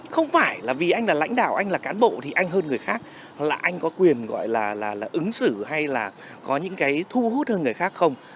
không phải là vì anh là lãnh đạo anh là cán bộ thì anh hơn người khác là anh có quyền gọi là ứng xử hay là có những cái thu hút hơn người khác không